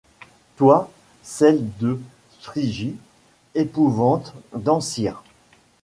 Toi, celle de Phrygie, épouvante d’Ancyre